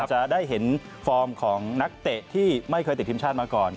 จะได้เห็นฟอร์มของนักเตะที่ไม่เคยติดทีมชาติมาก่อน